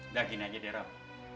udah gini aja deh rob